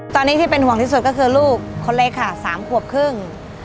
ตอนนี้ที่เป็นห่วงที่สุดก็คือลูกคนเล็กค่ะ๓ขวบครึ่ง